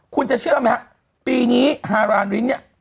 คุณจะเชื่อไหมฮะปีนี้ฮารานลิ้นเนี่ย